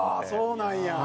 そうなんや！